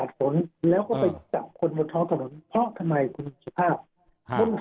ฝนแล้วก็ไปจับคนบนท้องถนนเพราะทำไมคุณสุภาพคน